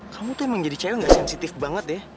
kamu tuh emang jadi cewe nggak sensitif banget ya